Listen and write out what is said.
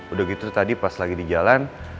udah gitu tadi pas lagi di jalan